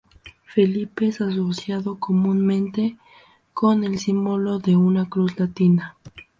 Felipe es asociado comúnmente con el símbolo de una cruz latina.